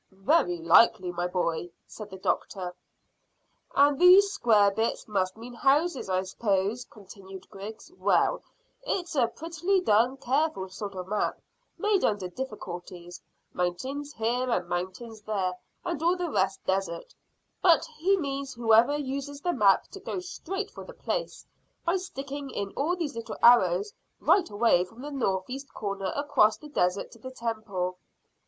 "Very likely, my boy," said the doctor. "And these square bits must mean houses, I s'pose," continued Griggs. "Well, it's a prettily done, careful sort of map, made under difficulties. Mountains here and mountains there, and all the rest desert. But he means whoever uses the map to go straight for the place, by sticking in all these little arrows right away from the north east corner across the desert to the temple."